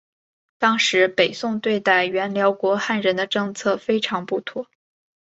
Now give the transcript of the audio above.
当时北宋对待原辽国汉人的政策非常不妥。